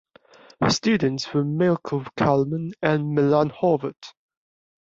Her students were Milko Kelemen and Milan Horvat.